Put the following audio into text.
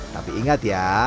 tapi ingat ya